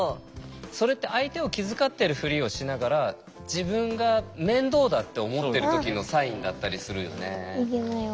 それって相手を気遣ってるふりをしながら自分が面倒だって思ってる時のサインだったりするよね。